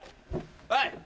はい。